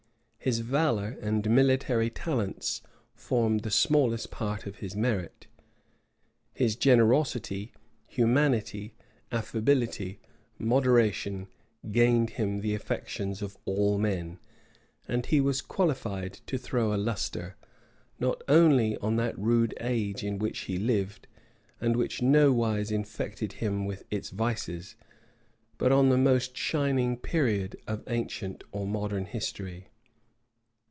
His valor and military talents formed the smallest part of his merit: his generosity, humanity, affability, moderation, gained him the affections of all men; and he was qualified to throw a lustre, not only on that rude age in which he lived, and which nowise infected him with its vices, but on the most shining period of ancient or modern history.